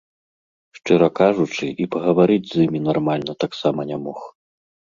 Шчыра кажучы, і пагаварыць з імі нармальна таксама не мог.